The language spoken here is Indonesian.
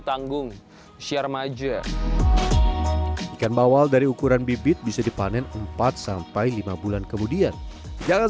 tanggung siarmaja ikan bawal dari ukuran bibit bisa dipanen empat sampai lima bulan kemudian jangan